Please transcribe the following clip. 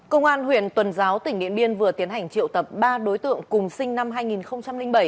công an huyện tuần giáo tỉnh điện biên vừa tiến hành triệu tập ba đối tượng cùng sinh năm hai nghìn bảy